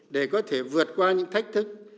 để có thể vượt qua những thách thức